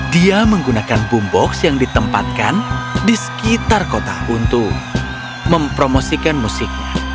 dia menggunakan boom box yang ditempatkan di sekitar kota untuk mempromosikan musiknya